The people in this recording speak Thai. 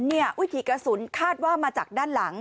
วิถีกระสุนคาดว่ามาจากด้านหลัง